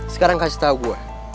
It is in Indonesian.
sekarang kasih tau gue